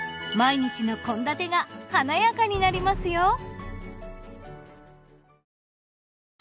毎日の献立が華やかになりますよ。